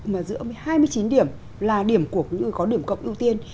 mà giữa hai mươi chín điểm là điểm của những người có điểm cộng ưu tiên